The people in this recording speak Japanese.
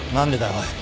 おい。